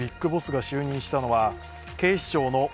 ＢＩＧＢＯＳＳが就任したのは警視庁の「ＳＴＯＰ！